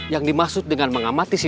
yang dimaksud dengan mengamati